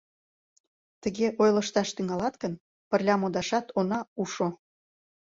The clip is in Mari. — Тыге ойлышташ тӱҥалат гын, пырля модашат она ушо!